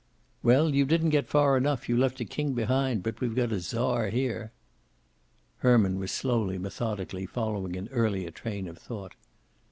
"Well, you didn't get far enough. You left a king behind, but we've got a Czar here." Herman was slowly, methodically, following an earlier train of thought.